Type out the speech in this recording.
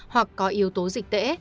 hoặc có yếu tố dịch tễ